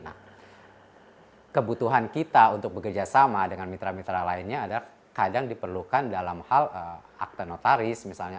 nah kebutuhan kita untuk bekerjasama dengan mitra mitra lainnya adalah kadang diperlukan dalam hal akte notaris misalnya